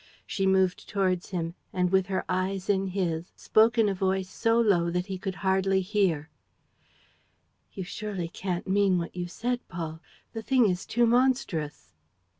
She moved towards him and, with her eyes in his, spoke in a voice so low that he could hardly hear: "You surely can't mean what you said, Paul? The thing is too monstrous!"